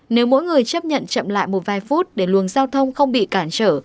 nếu mỗi người chấp nhận chậm lại một vài phút để luồng giao thông không bị cản trở